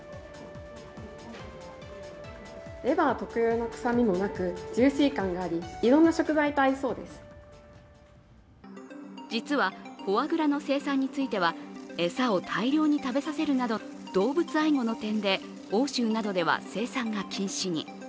レバー特有の臭みもなくジューシー感があり実はフォアグラの生産については餌を大量に食べさせるなど動物愛護の点で欧州などでは生産が禁止に。